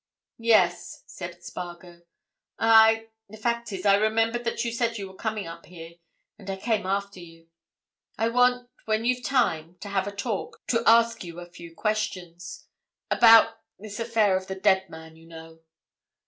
"Yes," said Spargo. "I—the fact is, I remembered that you said you were coming up here, and I came after you. I want—when you've time—to have a talk, to ask you a few questions. About—this affair of the dead man, you know."